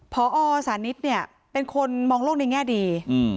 พอสานิทเนี่ยเป็นคนมองโลกในแง่ดี